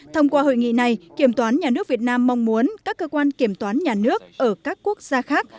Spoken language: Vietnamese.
thông qua hội nghị này kiểm toán nhà nước việt nam mong muốn các cơ quan kiểm toán nhà nước ở các quốc gia khác